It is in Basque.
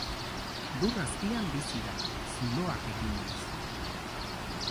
Lur azpian bizi da, zuloak eginez.